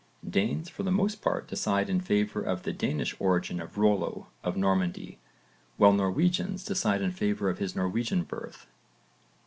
Danes for the most part decide in favour of the Danish origin of Rollo of Normandy, while Norwegians decide in favour of his Norwegian birth.